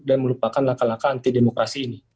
melupakan laka laka anti demokrasi ini